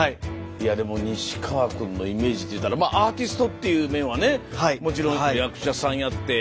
いやでも西川君のイメージって言うたらアーティストっていう面はねもちろん役者さんやって。